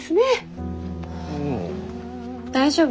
大丈夫。